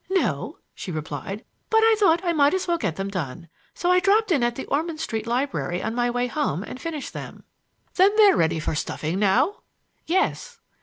"No," she replied; "but I thought I might as well get them done. So I dropped in at the Ormond Street library on my way home and finished them." "Then they are ready for stuffing now?" "Yes."